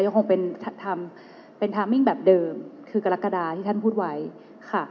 ยังคงเป็นเป็นแบบเดิมคือกรกฎาที่ท่านพูดไว้ค่ะ